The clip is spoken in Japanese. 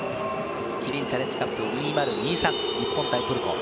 キリンチャレンジカップ２０２３、日本対トルコ。